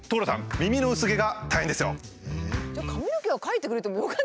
耳の薄毛が大変ですよ。